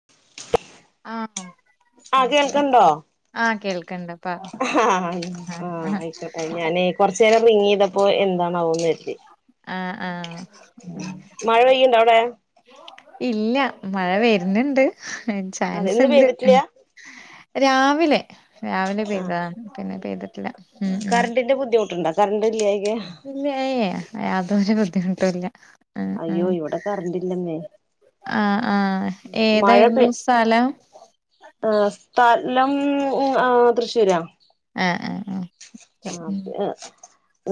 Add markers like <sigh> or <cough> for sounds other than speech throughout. <unintelligible> ആഹ ആഹ് സംസാരിക്ക ആഹ കേൾക്കണ്ട ആ ആഹ ആയിക്കോട്ടെ ഞാന കൊറച്ചു നേരം റിങ്ങ ചെയ്തപ്പോ എന്താണാവോന്ന് വരുത്തി ആ ആഹ മഴ പെയ്യണ്ടോ അവിടെ ഇല്ല മഴ വരുന്നുണ്ട് അതെ ചാൻസ് ഇന്ന് ഉണ്ട് പെയ്തിട്ടില്ല രാവിലെ രാവിലെ ആഹ് പെയ്തതാണ് പിന്നെ പെയ്തിട്ടില്ല ഉ ഉ എന്തെ ബുദ്ധിമുട്ട്ണ്ട കർണ്ട് ഇല്ല്യായ്ക ല്ല ഏയ് എ അതൊരു ബുദ്ധിമുട്ടുല്ല ആ ആ ഉം അയ്യോ ഇവിടെ കറണ്ട് ഇല്ലെന്നേ ആ ആഹ് ഏതായ്ര്ന്നു സ്ഥലം ആ സ്ഥലം ആ തൃശ്ശൂരാ ആഹ് ആഹ് ആഹ് ആ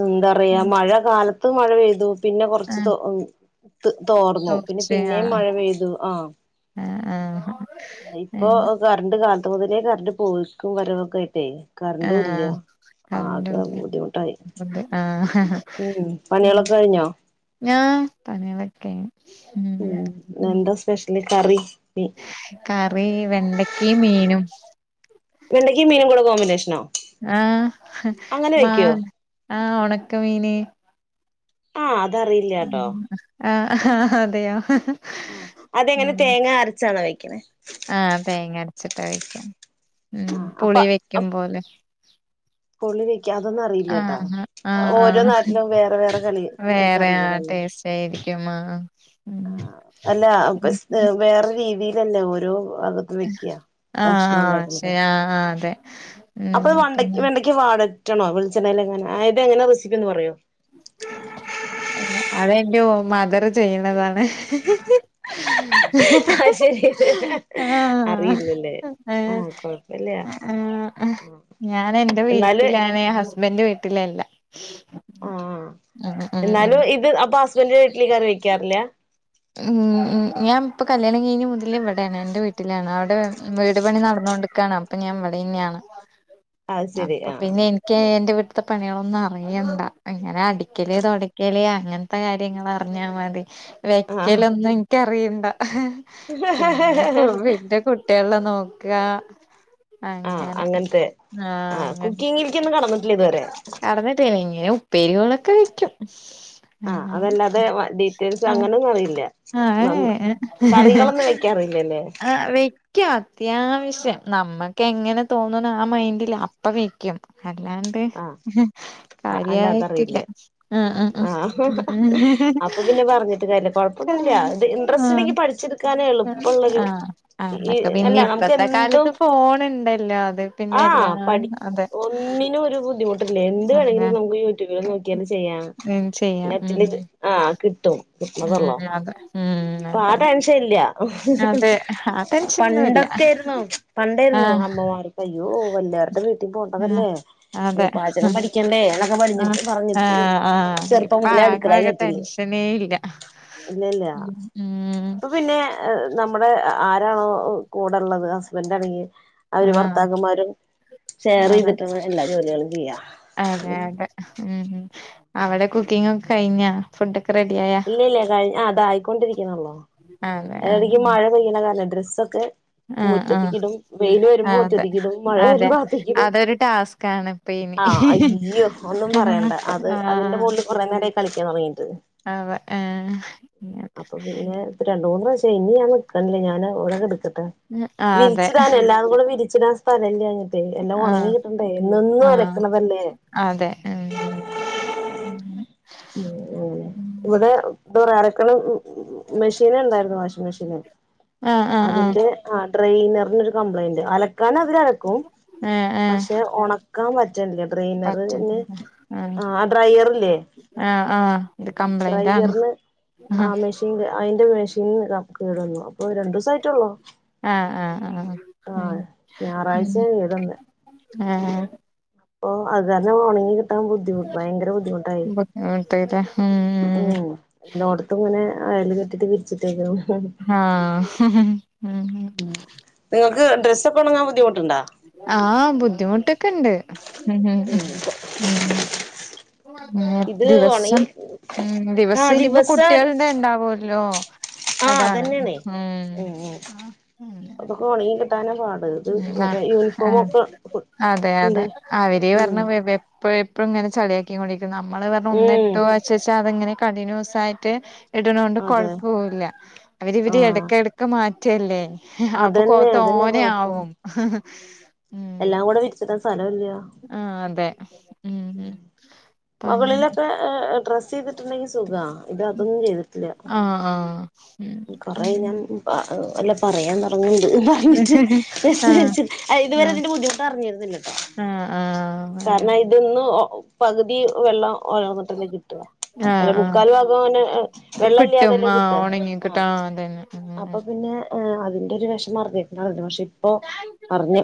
ന്താ റിയാ ഉം മഴ കാലത് ത്ത് മഴ പെയ്തു പിന്നെ കൊറച്ച് ആഹ് തോ ഉം തോർന്നു പിന്നെ പിന്നേം മഴ പെയ്തു ആ ഏ ആഹ് ഇപ്പൊ ആഹ് കർണ്ട് കാൽത്ത് മുതലേ കർണ്ട് പോയിക്കും വരവൊക്കെ ആയിട്ടേ കർണ്ടു ഇല്ല ആഹ് ആക കറണ്ട് ബുദ്ധിമുട്ടായി പോയില്ലേ ആഹ് ഉം പണിയളൊക്ക കയ്ഞ്ഞോ ഞാ പണ്യളൊക്ക്‌ ക്കയ്ഞ്ഞ് ഉം എന്താ സ്പെഷ്ല് കറി മീ കറി വെണ്ടക്കെ മീനും വെണ്ടക്കെ മീനും കൂടെ കോമ്പിനേഷനോ ആഹ് അങ്ങനെ മാ വെക്കുവോ ആഹ് ഒണക്ക മീന് ആഹ് അതറിയില്ല ട്ടോ ആ ആഹ് അതെയോ അതെങ്ങനെ തേങ്ങ അരച്ചാണോ വെക്ക്‌ണേ ആ തേങ്ങ അര്ച്ചിട്ടാ വെക്കാ ഉം ആഹ് അപ്പ പുളി വെക്കും പോലെ പുളി വെക്ക അതൊന്നും ആ അറിയില്ലട്ടാ അ ആഹ് ആ ഓരോ നാട്ടിലും വേറെ വേറെ കളി വേറെ ആ കറികളല്ലേ ടേസ്റ്റ് ഏര്ക്കും ആഹ് ഉം അല്ല അ പശ് വേറെ രീതിയിലല്ലേ ഓരോ വെക്ക ആഹ് ഭക്ഷണം ആഹ് ണ്ടാക്ക്‌ണ ശരി ആഹ് ആഹ് അതെ അപ്പൊ ഉം ഇ വെണ്ട പിന്നെ വെണ്ട ക്ക്യ വാടറ്റണോ വെൾച്ചെണേൽ എങ്ങന ആയ്ത് എങ്ങന റെസിപ്പി ഒന്ന് പറയോ അതെ ന്റു മദറ് ചെയ്യ്ണതാണ് <unintelligible> ചെയ്ത് അറിയില്ലല്ലേ ഏഹ് ആഹ് കൊഴപ്പല്ല ആ ഞാന് എന്റെ വീട്ടിലാണ് ഹസ്ബൻഡ് വീട്ടിലല്ല ആഹ് ഉം ഉം ഉം എന്നാലും ഇത് അപ്പൊ ഹസ്ബൻഡന്റെ വീട്ടിൽ കറി വക്കാറില്ല ഉം ഉം ഞാനിപ്പൊ കല്യാണം കഴിഞ് മുതൽ ഇവിടെണ് എൻ്റെ വീ വീട്ടിലാണ് അവിടെ വീട് പണി നടന്ന കൊണ്ടിക്കാണ് അപ്പൊ ഞാൻ ഇവിടെന്നെയാണ് അത് ശരി അപ്പൊ ആഹ് പിന്നെ എനിക്ക് എന്റെ വീട്ട്ത്തെ പണികളൊന്നും അറിയണ്ട ഇങ്ങനെ അടി വക്കല് തുടക്കല് അങ്ങൻത്തെ കാര്യങ്ങൾ അറിഞ്ഞാ മതി ആഹ് വെക്കലൊന്നും ക്കറിയണ്ട പിന്നെ വന്റെ കുട്ടികളെ നോക്ക ആഹ് അങ്ങനെ അങ്ങനത്തെ ആഹ് അങ്ങന കുക്കിങ്ങിലേക്കൊന്നും കടന്നിട്ടില്ല ഇതുവരെ കടന്ന തേങ്ങ ഉപ്പേരികളൊക്കെ വയ്ക്കും ആഹ് അതല്ലാതെ ഡീറ്റെയിൽസ് അങ്ങനെയൊന്നും അറിയില്ല ആഹ് നന്ന എഹ് കറികളൊന്നും വെക്കാറില്ലല്ലേ ആഹ് വെ ക്ക്‌ അത്യാവശ്യം നമ്മുക്ക് എങ്ങനെ തോന്നുന്നാ മൈൻഡില് അപ്പ വെക്കും അല്ലാണ്ട് ആഹ് അല്ല അതറിയില്ല കാര്യായിട്ടില്ല ആഹ് ആഹ് അഹ് ഉം അപ്പൊ പിന്നെ പറഞ്ഞിട്ട് കാര്യല്ല കുഴപ്പവൊന്നുവില്ല ഇന്ററസ്റ്റ് ഉണ്ടെങ്കി ആഹ് പഠിച്ചെടുക്കാന്നേ ഉള്ളു ആഹ് ആഹ് അതൊക്കെ പിന്നെ നമുക്ക് ഇപ്പത്തെ എന്തും കാലത്ത് ഫോൺണ്ടല്ലോ അത് പിന്നെ എല്ലാം അതെ ഇതിനു ഒരു ബുദ്ധിമുട്ടില്ലേ എന്ത്ണെങ്കിലും നമുക്ക് യൂട്യൂബിൽ നോക്കിയാല് ചെയ്യാം <unintelligible> ചെയ്യും നറ്റില് ആഹ് കിട്ടും ഉം അത ഉം അപ്പൊ ആ അതെ ടെൻഷൻ ഇല്ല. അതെ ആ ടെൻഷനൊന്നുല്ല പണ്ടൊക്കെ ആയിരുന്നു പണ്ടായിരുന്നു ആഹ് അമ്മമാർ. അയ്യോ വല്ലോരുടെവീട്ടിൽ ആഹ് പോണ്ടതല്ലേ? അതെ <unintelligible> ആ പറഞ്ഞിട്ട് ആഹ ആഹ് ചെറുപ്പം ഇപ്പ മുതലേ ആ അടുക്കളെ വക കേറ്റല് ടെൻഷനേ ഇല്ല ഉം ഇപ്പ പിന്നെ നമ്മുടെ ആരാണോ കൂടെ ഇള്ളത് ഹസ്ബന്റ് ആണെങ്കിൽ അവര് ആഹ് ഭർത്താക്കന്മാരും ഷെയർ അതെ ചെയ്തിട്ടാണ് എല്ലാ ജോലികളും ചെയ്യ അതെ അതെ ഉം അവിടെ കുക്കിങ് ഒക്കെ കഴിഞ്ഞാ ഫുഡൊക്കെ റെഡിയായ ഇല്ല ഇല്ല കഴി ആ ഇതായിക്കൊണ്ടിരിക്കണൊള്ളു അതെ അയിനെടക്ക് ആഹ് മഴ പെയ്യണ കാരണം ഡ്രസ്സൊക്കെ ആഹ് ആഹ് മുറ്റത്തിക്കിടും വെയിൽ വരുമ്പോ അതെ മുറ്റത്തിക്കിടും മഴ അതെ വരുമ്പോ അകത്തിക്കിടും അതൊരു ടാസ്കാണ് ഇപ്പ ഇനി ആഹ് അയ്യോ ഒന്നും പറയണ്ട അത് അതിന്റെ ആഹ് മോളില് കൊറെ നേരായി കളിക്കാൻ തൊടങ്ങീട്ട് അതെ ഏഹ് മൂന്നു പ്രാശ്യായി ഇനി ഞാൻ നിക്കണില്ല ഞാൻ ഇവിടെ കെടക്കട്ടെ ആഹ് അതെ വിരിച്ചിടാന് എല്ലാതും കൂടെ വിരിച്ചിടാൻ സ്ഥലഇല്ല്യഞ്ഞിട്ടേ എല്ലാം ഒണങ്ങി ആഹ് കിട്ടണ്ടേ എന്നെന്നും ആഹ് അലക്ക്ണതല്ലേ അതെ ഉം ഉം ഉം ഉം ഇവിടെ ന്താപറയ അലക്ക്‌ണ മെഷീൻ ഇണ്ടായിരുന്നു വാഷിംഗ് മെഷീന് ആഹ് ആഹ് ആഹ് അതിന്റെ ഡ്രയ്നെറിനൊരു കംപ്ലയിന്റ് അലക്കാൻ അതിലലക്കും ഏഹ് ഏഹ് പക്ഷെ ഒണക്കാൻ പ റ്റണില്ല ഡ്രൈനറ് പറ്റും ന് ആഹ് ആ ഡ്രയറില്ലേ ആഹ് ആഹ് ഇത് കംപ്ലൈയിന്റ് ആണ് ഡ്രയറിന് ആ മെഷീൻ അയിന്റെ മെഷീന് ഇതാ കേടന്നു അപ്പൊ രണ്ടൂസായിട്ടൊള്ളു ആഹ് ആഹ് ആഹ്. ഉം ആഹ ഞായറാഴ്ച്ചേ ഉം കേടന്നെ ഏഹ് അപ്പൊ അത് കാരണം ഒണങ്ങി കി കിട്ടാൻ ബുദ്ധിമുട്ട് ഭയങ്കര ബുദ്ധിമുട്ടായി ഉം എല്ലോട്ത്തും ഇങ്ങനെ അയല് കെട്ടിട്ട് വിരിച്ചിട്ടേക്കുന്നു ആഹ ഉം നിങ്ങക്ക് ഡ്രസ് ഒക്കെ ഒണങ്ങാൻ ബുദ്ധിമുട്ടുണ്ടാ ആഹ് ബുദ്ധിമുട്ടൊക്കെ ഉണ്ട് ഉം ഉം ഇത് ദിവസം ഒണങ്ങി ഉം ദിവസം ഇനിയിപ്പ കുട്ട്യാള്ടെ ഇണ്ടാവല്ലോ ആഹ അതെന്നേണേ ഉം ഉം ഉം അതൊക്കെ ഒണങ്ങി കിട്ടാനാ പാട് ഇത് ആ കൊറേ യൂ ആ നിഫോമൊക്കെ അതെ അതെ അവര് പറഞ്ഞ എപ്പോഴും എപ്പോഴും ഇങ്ങനെ ചളിയാക്കി കൊണ്ടിരിക്കും നമ്മള് പറഞ്ഞ ഒന്ന് ഇട്ടാ ഉം പോവാച്ച് ച്ചാ അതങ്ങനെ കണ്ടിന്യൂസ് ആയിട്ട് ഇടുണോണ്ട് അതെ കൊഴപ്പൂം ഇല്ല അവരിവര് ആഹ് ഇടക്കിടക്ക് ഒക്കെ മാറ്റല്ലേ അപ്പൊ കൊ അതന്നെ അതന്നെ കൊഴപ്പം തോനയാവും എല്ലാം കൂടെ വിരിച്ചിടാൻ സ്ഥലോം ഇല്ല ആഹ അതെ ഉം അപ്പ അങ്ങനെ മൊകളിലൊക്കെ ഡ്രസ്സ് ചെയ്തിട്ടുണ്ടെങ്കി സുഖാ ഇത് അതൊന്നും ചെയ്തിട്ടില്ല ആഹ് ആഹ് ഉം കൊറെ ആയി ഉം ഞാൻ പ അല്ല പറയാൻ തൊടങ്ങ്ണ്ട് ആ <unintelligible> ഇതുവരെ ഇതിന്റെ ബുദ്ധിമുട്ടറിഞ്ഞിരുന്നില്ലട്ടോ ആഹ് ആഹ് കാരണം ഇതൊന്ന് പകുതി വെള്ളം ഒലർന്നിട്ടെന്നെ കിട്ട ആ ആ അല്ല ആ മുക്കാൽ ഭാഗം അങ്ങനെ വെള്ളം കിട്ടും ഇല്ലാതെല്ലേ ആ കിട്ട ഉണങ്ങി കിട്ടും ആ അതന്നെ അപ്പൊ പിന്നെ ആ അതിന്റെ ഒരു വെഷമം അറിഞ്ഞിട്ടിണ്ടാവില്ല പക്ഷെ ഇപ്പൊ അറിഞ്ഞു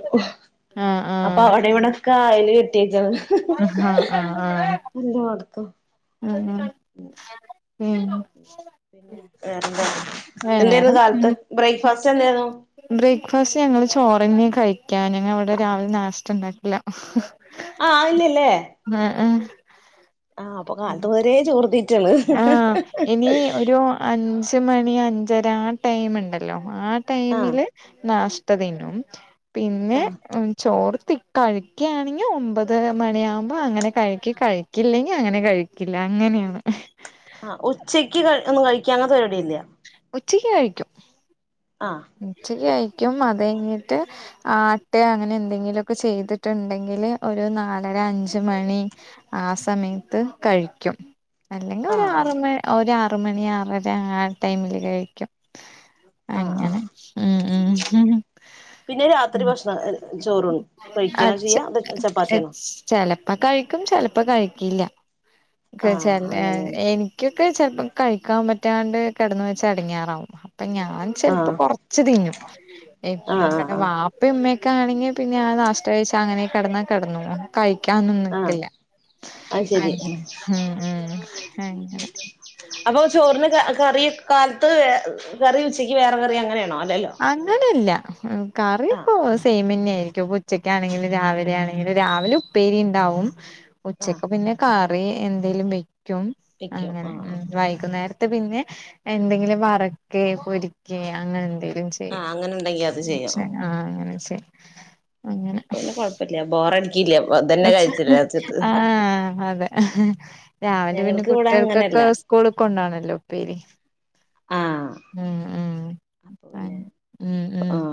ആ ആ അപ്പൊ അവിടെ ഇവിടൊക്കെ അയൽ കെട്ടിയേക്കന്ന് ആഹ് ആഹ് ആഹ് എല്ലോട്ത്തും ആഹ് ആഹ് ഉം പിന്നെ വേറെന്ത വേറെ എന്തായിരുന്നു കാലത്ത് ബ്രേക്ക്ഫാസ്റ്റ് എന്തായിരുന്നു ബ്രേക്ക്ഫാസ്റ്റ് ഞങ്ങള്ൾ ചോറെന്ന കഴിക്കാ ഞങ്ങള് ഇവിടെ രാവിലെ നാശ്ത ഉണ്ടാക്കില്ല ആ ഇല്ലില്ലേ ആഹ് ആഹ് ആഹ് അപ്പൊ കാലത്ത് മുതലേ ചോർത്തിറ്റാണ് ആഹ് ഇനി ഒരു അഞ്ച് മണി അഞ്ചര ആ ടൈമുണ്ടല്ലോ ആ ആഹ് ടൈമില് നാഷ്ത തിന്നും പിന്നെ ആഹ് ചോർത്തി കഴിക്കുകയാണെങ്കിൽ ഒമ്പതര മണിയാവുമ്പോ അങ്ങനെ കഴിക്കും കഴി ക്കില്ലെങ്കിൽ അങ്ങനെ കഴിക്കില്ല അങ്ങനെയാണ് ആഹ് ഉച്ചയ്ക്ക് ഒന്നും കഴിക്കുക അങ്ങനത്തെ പരിപാടി ഇല്ല ഉച്ചക്ക് കഴിക്കും ആഹ് ഉച്ചക്ക് കഴിക്കും അത് കഴിഞ്ഞിട്ട് ആട്ട അങ്ങനെ എന്തെങ്കിലുമൊക്കെ ചെയ്തിട്ടുണ്ടെങ്കിൽ ഒരു നാലര അഞ്ച് മണി ആ സമയത്ത് കഴിക്കും അല്ലെങ്കിൽ ഒരു ആഹ് ആറ് ആഹ് മണി ഒരു ആറ് മണി ആറര ആ ടൈമില് കഴിക്കും ആഹ് അങ്ങനെ ആഹ് ഉം ഉം ഉം പിന്നെ രാത്രി ഭക്ഷണം ചോറ് കഴിക്കാ അച്ച ചെയ്യാ അതോ ചപ്പാത്തിയാണോ ചെലപ്പോ കഴിക്കും ചെലപ്പോ കഴിക്കില്ല ച ആഹ് എനി അങ്ങനെയാണ് എനിക്കൊക്കെ ചെലപ്പോൾ കഴിക്കാൻ പറ്റാണ്ട് കിടന്ന് വെച്ചാ എടങ്ങാറാവും അപ്പം ഞാൻ ചെലപ്പോൾ ആഹ് കുറ ച്ച്തിന്നും ആഹ് ആഹ് ആഹ് ഇപ്പം ഇമ്മയ്ക്കാണെങ്കി പിന്നെ ആ നഷ്ടം ഴിച്ചാ അങ്ങനെ കിടന്നാ കിടന്നതാ കഴിക്കാനും ആഹ് നിക്കില്ല അത് ശരി അങ്ങനെ ഉം ഉം അങ്ങനെ അപ്പൊ ചോറിന് കറി കാലത്ത് കറി ഉച്ചക്ക് വേറെ കറി അങ്ങനെയാണോ അല്ലല്ലോ അങ്ങനെയില്ല കറി ആഹ് കോ സെമന്നെ ആയിരിക്കും അപ്പൊ ഉച്ചക്കാണെങ്കിലും രാവിലെ ആണെങ്കിലും രാവിലെ ഉപ്പേരി ഉണ്ടാവും ആഹ് ഉച്ചക്ക് പിന്നെ കറി എന്തേലും വെക്കും വെക്കും അങ്ങനെ ആഹ് ആഹ് വൈകുന്നേര പിന്നെ എന്തെങ്കിലും വറക്ക പൊരിക്ക അങ്ങനെ എന്തെങ്കിലും ശരി ആഹ് അങ്ങനെ ഉണ്ടെങ്കി അത് ചെയ്യാം ആഹ് അങ്ങനെ ശരി അപ്പൊ പിന്നെ കൊഴപ്പില്ല ബോറടിക്കില്ല അ തന്നെ കഴിച്ചില്ല രാജ്യത്ത് ആഹ് അതെ രാവിലെ പിന്നെ ഞങ്ങൾക്ക് ഇവിടെ അങ്ങനെയല്ല കുട്ടികൾക്കൊക്കെ സ്കൂൾ കൊണ്ടോണല്ലോ ഉപ്പേരി ആഹ് ഉം ഉം അപ്പൊ പിന്നെ ഉം ഉം ആഹ്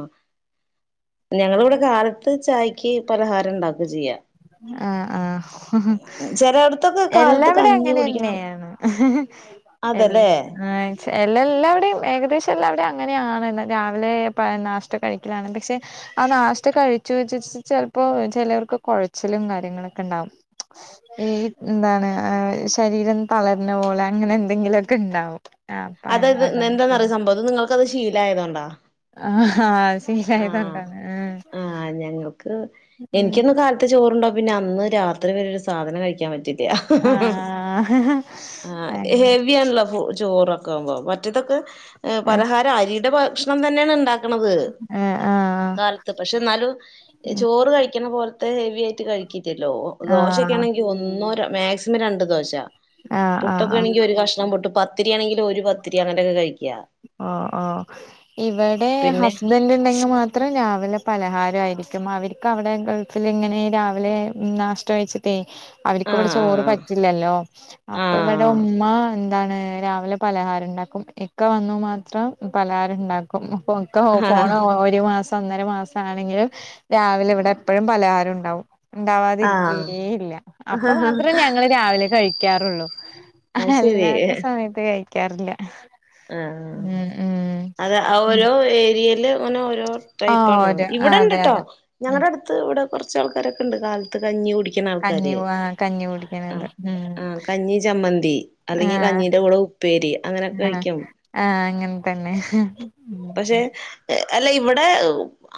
ഞങ്ങളിവിടെ കാലത്ത് ചായയ്ക്ക് പലഹാരം ഉണ്ടാക്കുക ചെയ്യാ ആഹ് ആഹ് ചിലയിടത്തൊക്കെ കാലത്ത് എല്ലാവിടെ കഞ്ഞി കുടിക്കണം അങ്ങനെന്നെയെയാണ് എല്ല അതല്ലേ ആഹ് പക്ഷെ എല്ല എല്ലാവവിടെയും ഏകദേശം എല്ലാംവിടെയും അങ്ങനെയാണ് രാവിലെ നാഷ്ട കഴിക്കലാണ് പക്ഷേ ആഹ് നാശ്ത കഴിച്ചു വിചാരിച്ചു ചിലപ്പോ ചെലർക്ക് കൊഴ ച്ചലും കാര്യങ്ങളൊക്കെ ഉണ്ടാവും ഉം എന്താണ് ശരീരം തളർന്ന പോലെ അങ്ങനെ എന്തെങ്കിലുമൊക്കെ ഉണ്ടാവും അ ആ അതൊ അത് നിങ്ങൾക്ക്ത് ശീലായ ത് കൊണ്ടാ ആഹ് ആഹ് ശീലായതോണ്ടാണ് ആഹ് ആഹ് ഞങ്ങൾക്ക് ഉം എനിക്കിന്ന് കാലത് ത് ചോറ്ണ്ടാ പിന്നെ അന്ന് രാത്രി വരെ ഒരു സാധനം കഴിക്കാൻ പറ്റില്ല ആഹ് ആഹ് അങ്ങനെ ഹെവി ആണല്ലോ ചോറ് മറ്റേതൊക്കെ പലഹാരം അരിയുടെ ഭക്ഷണം തന്നെയാണ് ഉണ്ടാക്കണത് ഏഹ് ആഹ് അത പക്ഷേ നാലും ചോറ്കഴിക്ണ പോലത്തെ ഹെവിആയിട്ട് കഴികിലല്ലോ ആഹ് ദോശകാണെങ്കി ഒന്നോ രണ് മാക്സിമം രണ്ട് ദോശ ആഹ് ആഹ് പുട്ടൊക്കെ ആഹ് ആണെങ്കിൽ ഒരു കഷ്ണം പുട്ട് പ പത്തിരിയാണെങ്കിൽ ഒരു പത്തിരി അങ്ങനെയൊക്കെ കഴിക്കാ ഓഹ് ഓഹ് ഇവടെ പിന്നെ ഹസ്ബൻറ് ണ്ടെങ്കിൽ മാത് ത്ര ലാവിലെ പലഹാരായിരിക്കും അവർക്കവടെ ഗൾഫിലിങ്ങനെ രാവിലെ നാഷ്ടകയിച്ചി പ്പെ അവർക്ക്ഇവിടെ ആഹ് ചോറ് പറ്റില്ലല്ലോ അപ്പൊ ഇവിടെ ആഹ് ഉമ്മ ന്താണ് രാവിലെ പലഹാരണ്ടാക്കും ഇക്ക വന്നു മാത്രം പലഹാരം ണ്ടാക് കോം പൊക്ക ഒ ആഹ് ആഹ് പോണ ഒരു മാസ ഒന്നര മാസാണെങ്കിലും രാവിലെ ഇവിടെ എപ്പോഴും പലഹാരം ഉണ്ടാവും. ഉണ്ടാവാതിരിക്കേയേയില്ല അപ്പ ആഹ് ആഹ് മാത്രേ ഞങ്ങള് രാവിലെ കഴിക്കാറുള്ളൂ. അത് അല്ലാത്ത ശരി സമയത്ത് കഴിക്കാറില്ല. ആഹ് ഉം ഉം അത് ഉം ഓരോ ഏരിയയില് ങ്ങനെ ഓരോ ആഹ് ടൈപ്പാണ് ഒരു ആ അതെ ഇവിടെണ്ട്ട്ടോ. അതെ ഉം ഞങ്ങടെ അടുത്ത് ഇവിടെ കെറച്ച് ആൾക്കാരൊക്കെണ്ട് കാലത്ത് കഞികു ടിക്ണ കഞ്ഞി ആൾക്കാര് ആ കഞ്ഞി കുടിക്കണത് അഹ് ഉം ആഹ് കഞ്ഞി ചമ്മന്തി. അല്ലെങ്കി ആഹ് കഞ്ഞീന്റെ കൂടെ ഉപ്പേരി അങ്ങനെ ആഹ് ആഹ് അങ്ങൻതന്നെ. എഹ് അല്ല ഇവിടെ!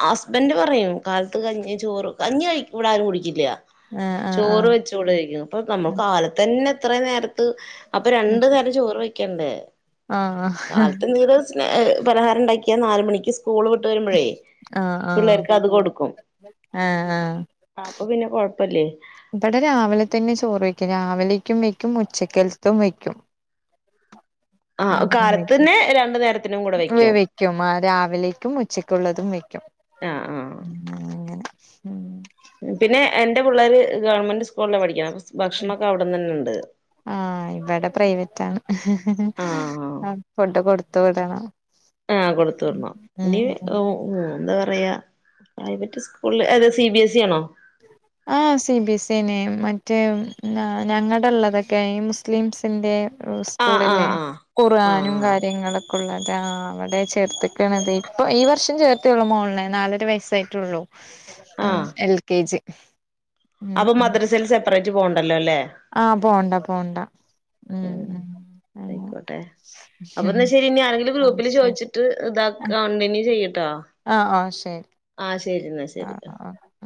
ഹസ്ബൻഡറ് പറയും കാലത്ത് കഞ്ഞി ചോറ് കഞ്ഞി കഴി ഇവെടാരും കുടിക്കില്ല. ആഹ് ആഹ് ചോറ് ആഹ് വെച്ചുകൂടെയിക്കും അപ്പൊ നമ്മ കാലത്തന്നെ ഇത്രേ നേരത്ത് അപ്പൊ രണ്ടു നേരം ചോറ് വയ്ക്കണ്ടേ? അഹ് ആഹ് കാലത്ത് ന്തേലൊര് സ്‌നേ പലഹാര ണ്ടാക്കിയാൽ നാല്മണിക്ക് സ് കൂള് വിട്ടുവരുമ്പോഴേ ആഹ് പിള്ളേർക്ക് അത് കൊടുക്കും. ആഹ് ആഹ് അപ്പൊ പിന്നെ കൊഴപ്പല്ലേ. ഇവിടെ രാവിലെ തന്നെ ചോറ് വയ്ക്കും രാവിലേക്കും വയ്ക്കും ഉച്ചക്കൽത്തും വയ്ക്കും. ആഹ് കാലത്തിന്നെ രണ്ട് നേര വെവെക്കും ആഹ് രാവിലേക്കും ഉച്ചക്കുള്ളതും വെക്കും. ആഹ് അങ്ങനെ ഉം. പിന്നെ എന്റെ പിള്ളേര് ഗവൺമെന്റ് സ്കൂളിലാപഠിക്ക്ണേ അപ ഭക്ഷണൊക്കെ അവട്ന്നന്നെ ഇണ്ട്. ആഹ് ഇവടെ പ്രൈവറ്റ് ആണ് ആഹ് ഫുഡ് കൊടുത്തു വിടണം. ആഹ് കൊടുത്ത് വിടണം ഉം ഇനി ഉം ഓ ഓഹ് ന്താ പറയാ പ്രൈവറ്റ് സ്കൂളില് അതെ സി ബി എസ് ഇ ആണോ? ആഹ് സി ബി എസ് നെ മറ്റേ ഞങ്ങടെള്ളതൊക്കെ ഇ മുസ്ലിംസിന്റെറ ആഹ് സ്കൂളില്ലേ? ആഹ് ആഹ് ഖർആാനും ആഹ് കാര്യങ്ങളൊക്കെ ഉള്ളതാ അവടെ ചേർത്ത്ക്ക്ണ തെയ് ഇപ്പൊ ഈ വർഷം ചേർ ത്ഹ് മോള്ളേ നാലര വയസ്സായിട്ടെള്ളൂ. <inaudible> ആഹ് എൽ കെ ജി. ഉം അപ്പൊ ഉം മദ്രസയൽ സെപ്പറേറ്റ് പോവണ്ടല്ലോല്ലേ? ആഹ് പോണ്ട പോണ്ട ഉം ഉം ആയിക്കോട്ടെ. അപ്പ എന്നാ ശരി ഇനി ആരെങ്കിലും ആഹ് ഗ്രൂപ്പില് ശരി ചോയ്ച്ചിട്ട് ഇതാ കണ്ടിന്യൂ ചെയ്യട്ടോ? ആഹ് ആഹ് ശരി. ആഹ് ശരിെന്നാ ശരി. ആഹ് ആഹ്